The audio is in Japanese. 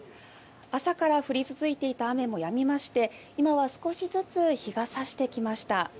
朝から降り続いていた雨もやみまして今は少しずつ日が差してきました。